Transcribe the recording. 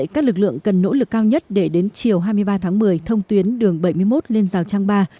các lực lượng cần nỗ lực cao nhất để đến chiều hai mươi ba tháng một mươi thông tuyến đường bảy mươi một lên rào trang ba